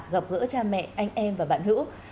gặp gỡ cha mẹ anh em và bạn hữu